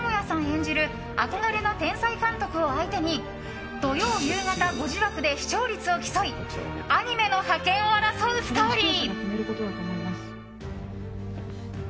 演じる憧れの天才監督を相手に土曜夕方５時枠で視聴率を競いアニメの覇権を争うストーリー。